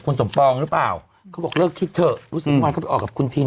คุณสมปองหรือเปล่าเขาบอกเลิกคิดเถอะรู้สึกเมื่อวานเขาไปออกกับคุณทิม